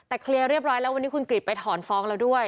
แต่เคลียร์เรียบร้อยแล้ววันนี้คุณกริจไปถอนฟ้องแล้วด้วย